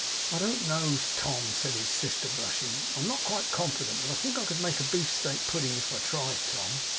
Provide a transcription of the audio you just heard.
'I don't know, Tom,' said his sister, blushing, 'I am not quite confident, but I think I could make a beef steak pudding, if I tried, Tom.